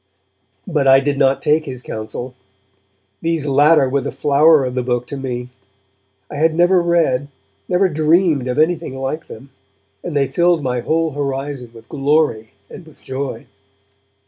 But I did not take his counsel; these latter were the flower of the book to me. I had never read, never dreamed of anything like them, and they filled my whole horizon with glory and with joy.